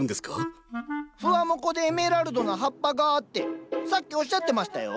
「フワモコでエメラルドな葉っぱが」ってさっきおっしゃってましたよ。